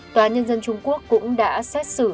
tòa nhân dân trung quốc cũng đã xét xử